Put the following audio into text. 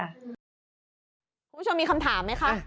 คุณผู้ชมมีคำถามไหมคะ